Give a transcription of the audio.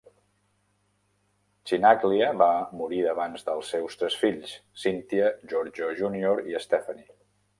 Chinaglia va morir abans dels seus tres fills: Cynthia, Giorgio Junior i Stephanie.